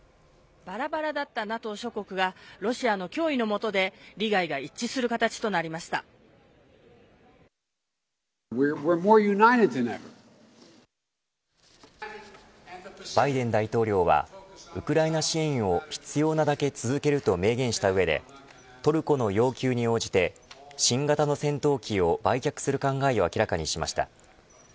ばらばらだったＮＡＴＯ諸国がロシアの脅威の下でバイデン大統領はウクライナ支援を必要なだけ続けると明言した上でトルコの要求に応じて新型の戦闘機を売却する考えを明らかにしました。